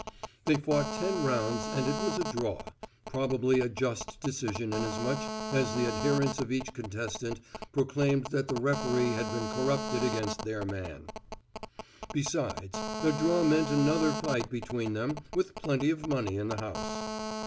They fought ten rounds and it was called a draw, probably a just decision inasmuch as the adherents of each contestant proclaimed that the referee had been corrupted against their man. Besides, a draw meant another fight between them with plenty of money in the house.